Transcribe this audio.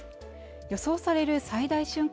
予想される最大瞬間